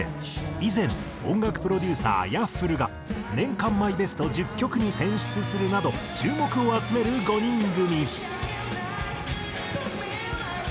以前音楽プロデューサーＹａｆｆｌｅが年間マイベスト１０曲に選出するなど注目を集める５人組。